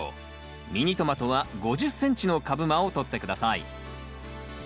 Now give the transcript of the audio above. ミニトマトは５０ｃｍの株間をとって下さい。